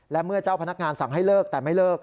และเมื่อเจ้าพนักงานสั่งให้เลิกแต่ไม่เลิก